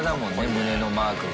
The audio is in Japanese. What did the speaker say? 胸のマークが。